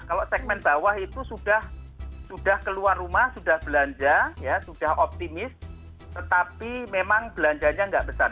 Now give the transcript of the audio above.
kalau segmen bawah itu sudah keluar rumah sudah belanja sudah optimis tetapi memang belanjanya nggak besar